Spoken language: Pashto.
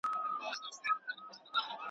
په رڼا ورځ چي په عصا د لاري څرک لټوي.